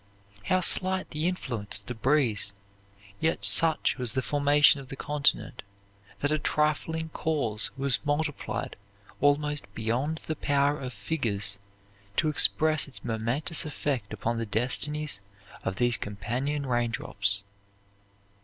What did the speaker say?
How slight the influence of the breeze, yet such was the formation of the continent that a trifling cause was multiplied almost beyond the power of figures to express its momentous effect upon the destinies of these companion raindrops.